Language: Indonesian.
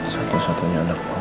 satu satunya anakku masih parah